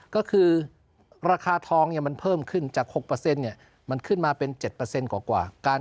ก็คือราคาทองมันเพิ่มขึ้นจาก๖มันขึ้นมาเป็น๗กว่า